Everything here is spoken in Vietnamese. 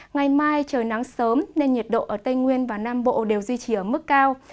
ngày mai trời nắng sớm nên nhiệt độ ở tây nguyên và nam bộ đều duy trì ở mức cao